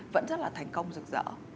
vẫn rất là thành công rực rỡ